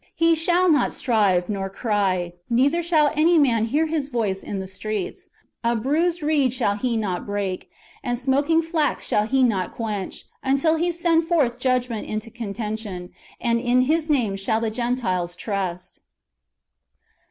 He shall not strive, nor cry ; neither shall any man hear His voice in the streets. A bruised reed shall He not break, and smoking flax shall He not quench, until He send forth judgment into contention;" and in His name shall the Gentiles trust."